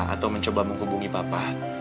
atau mencoba menghubungi papa